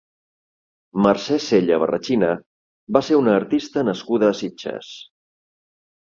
Mercè Sella Barrachina va ser una artista nascuda a Sitges.